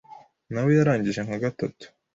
nawe yarangije nka gatatu